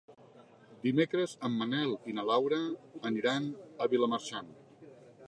Dimecres en Manel i na Laura aniran a Vilamarxant.